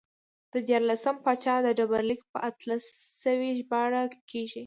د دیارلسم پاچا ډبرلیک په اتلس سوی ژباړل کېږي